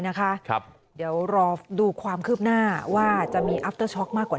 เดี๋ยวรอดูความคืบหน้าว่าจะมีอัพเตอร์ช็อกมากกว่า